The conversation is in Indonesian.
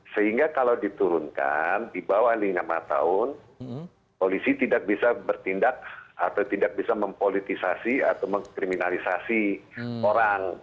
sehingga kalau diturunkan di bawah lima tahun polisi tidak bisa bertindak atau tidak bisa mempolitisasi atau mengkriminalisasi orang